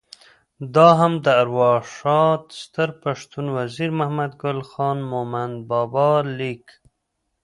دا هم د ارواښاد ستر پښتون وزیر محمد ګل خان مومند بابا لیک: